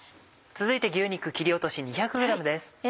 続いて牛肉切り落とし２００ｇです。